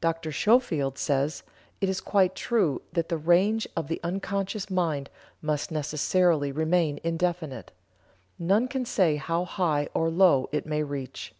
Dr. Schofield says: "It is quite true that the range of the unconscious mind must necessarily remain indefinite; none can say how high or low it may reach....